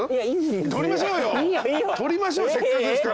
撮りましょうせっかくですから。